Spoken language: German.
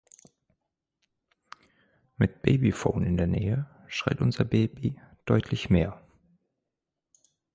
Mit Babyfon in der Nähe schreit unser Baby deutlich mehr.